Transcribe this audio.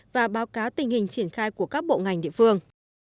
và báo cáo tình hình triển khai của các bộ ngành địa phương